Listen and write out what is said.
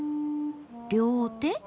・両手？